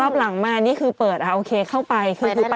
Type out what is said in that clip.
อันตรางนี้คือเปิดอะโอเคเข้าไป